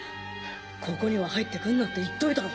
ここには入ってくんなって言っといたろ。